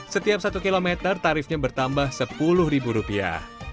setiap satu kilometer tarifnya bertambah sepuluh ribu rupiah